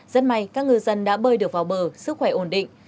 rất may các ngư dân đã bơi được vào bờ sức khỏe ổn định